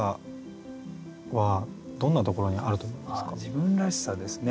自分らしさですね。